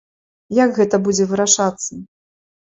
Як гэта будзе вырашацца?